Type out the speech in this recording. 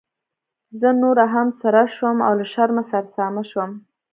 زه نوره هم سره شوم او له شرمه سرسامه شوم.